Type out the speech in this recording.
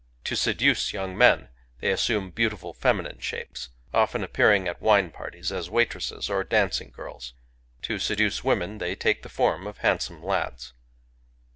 To se duce young men, they assume beautiful feminine shapes, — often appearing at wine parties as wait resses or dancing girls. To seduce women they take the form of handsome lads.